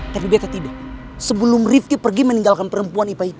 tapi biarkan tidak sebelum rifki pergi meninggalkan perempuan ipa itu